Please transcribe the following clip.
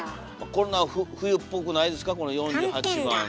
こんな冬っぽくないですか４８番の。